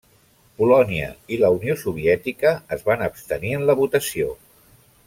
Polònia i la Unió Soviètica es van abstenir en la votació.